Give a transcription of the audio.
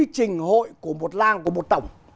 tình hội của một làng của một tổng